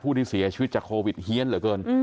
ที่เสียชีวิตจากโควิดเฮียนเหลือเกิน